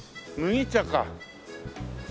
麦茶か。